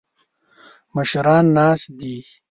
مشران ناست دي.